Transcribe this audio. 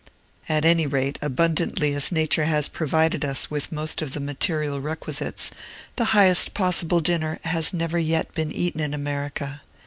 At any rate, abundantly as Nature has provided us with most of the material requisites, the highest possible dinner has never yet been eaten in America.